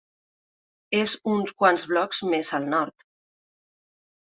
És uns quants blocs més al nord.